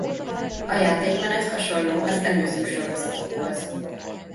A játékmenet hasonló az előző sorozatokhoz.